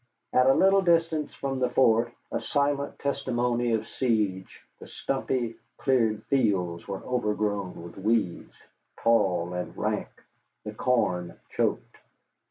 At a little distance from the fort, a silent testimony of siege, the stumpy, cleared fields were overgrown with weeds, tall and rank, the corn choked.